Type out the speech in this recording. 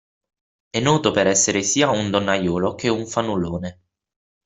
È noto per essere sia un donnaiolo che un fannullone.